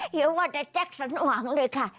เหยียวว่าแต่แค๊คสันหวังเลยค่ะ